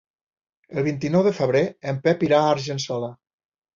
El vint-i-nou de febrer en Pep irà a Argençola.